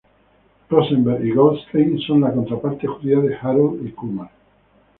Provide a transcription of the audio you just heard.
Rosenberg y Goldstein son la contraparte judía de Harold y Kumar.